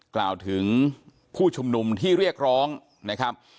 กล่าวถึงผู้ชุมนุมที่เรียกร้องนะครับ